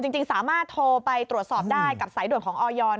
จริงสามารถโทรไปตรวจสอบได้กับสายด่วนของออย